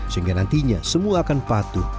sehingga nantinya semua akan patuh